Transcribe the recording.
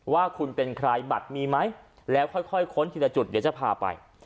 ว่าคุณเป็นใครบัตรมีไหมแล้วค่อยค้นทีละจุดเดี๋ยวจะพาไป